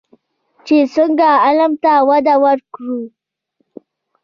چې څنګه علم ته وده ورکړو.